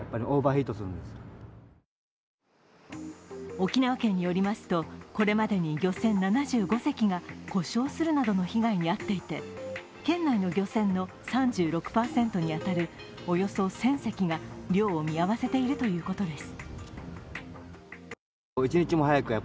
沖縄県によりますとこれまでに漁船７５隻が故障するなどの被害に遭っていて県内の漁船の３６％に当たる、およそ１０００隻が漁を見合わせているということです。